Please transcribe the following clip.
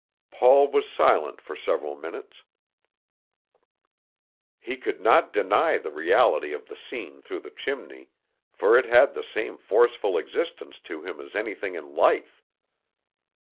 Paul was silent for several minutes. He could not deny the reality of the scene through the chimney, for it had the same forceful existence to him as anything in life.